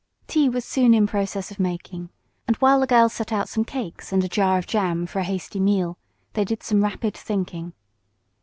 Tea was soon in process of making, and while the girls set out some cakes and a jar of jam for a hasty meal they did some rapid thinking.